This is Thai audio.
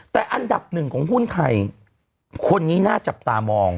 แต่อันดับหนึ่งของหุ้นไทยคนนี้น่าจับตามอง